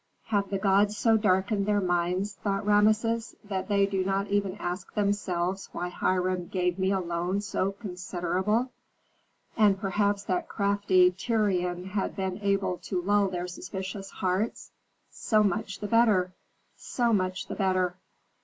"Have the gods so darkened their minds," thought Rameses, "that they do not even ask themselves why Hiram gave me a loan so considerable? And perhaps that crafty Tyrian has been able to lull their suspicious hearts? So much the better! So much the better!"